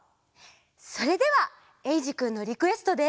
それではえいじくんのリクエストで。